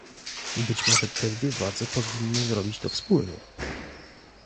Być może te dwie władze powinny zrobić to wspólnie?